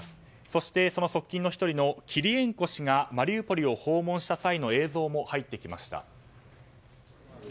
そして、その側近の１人のキリエンコ氏がマリウポリを訪問した際の映像も入ってきました。